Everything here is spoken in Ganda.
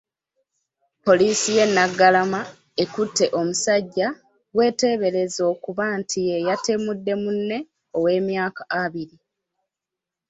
Poliisi y'e Naggalama ekutte omusajja gweteebereza okuba nti yeyatemudde munne ow'emyaka abiri.